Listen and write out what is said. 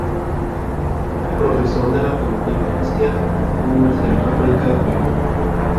Profesor de la Pontificia Universidad Católica del Perú.